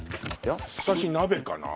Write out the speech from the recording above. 私鍋かな。